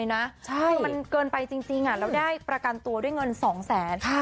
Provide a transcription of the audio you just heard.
มันเกินไปจริงเราได้ประกันตัวด้วยเงิน๒๐๐๐๐๐บาท